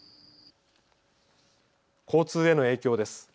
交通への影響です。